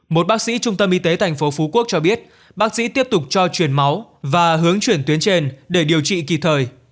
một bác sĩ trung tâm y tế tp phú quốc cho biết bác sĩ tiếp tục cho chuyển máu và hướng chuyển tuyến trên để điều trị kịp thời